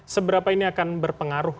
seberapa ini akan berpengaruh